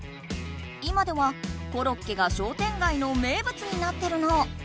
今ではコロッケが商店街の名物になってるの。